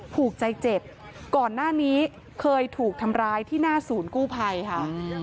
ผูกใจเจ็บก่อนหน้านี้เคยถูกทำร้ายที่หน้าศูนย์กู้ภัยค่ะ